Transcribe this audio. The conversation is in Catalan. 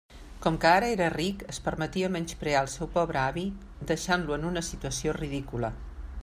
Com que ara era ric, es permetia menysprear el seu pobre avi, deixant-lo en una situació ridícula!